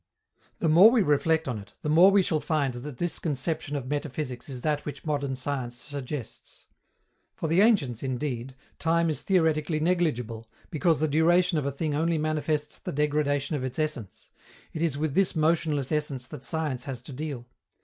The more we reflect on it, the more we shall find that this conception of metaphysics is that which modern science suggests. For the ancients, indeed, time is theoretically negligible, because the duration of a thing only manifests the degradation of its essence: it is with this motionless essence that science has to deal.